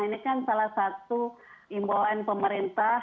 ini kan salah satu imbauan pemerintah